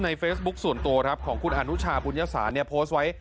เฟซบุ๊คส่วนตัวครับของคุณอนุชาบุญญศาสตร์เนี่ยโพสต์ไว้